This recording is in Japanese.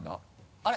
あれ？